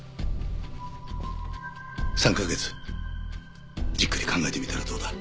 ３カ月じっくり考えてみたらどうだ？